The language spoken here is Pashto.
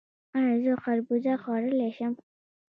ایا زه خربوزه خوړلی شم؟